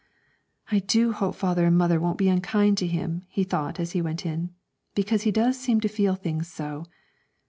'I do hope father and mother won't be unkind to him,' he thought, as he went in, 'because he does seem to feel things so.'